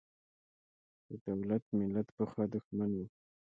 د دولت–ملت پخوا دښمن و.